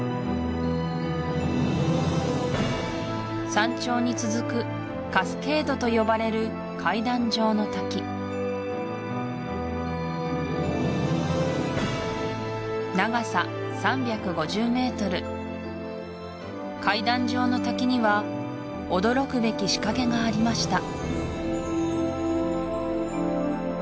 山頂に続くカスケードと呼ばれる階段状の滝長さ３５０ｍ階段状の滝には驚くべき仕掛けがありました